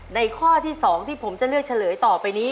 ข้อที่๒ที่ผมจะเลือกเฉลยต่อไปนี้